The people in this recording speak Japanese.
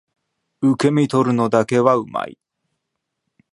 受け身取るのだけは上手い